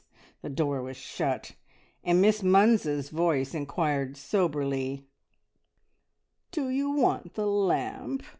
the door was shut, and Miss Munns's voice inquired soberly "Do you want the lamp?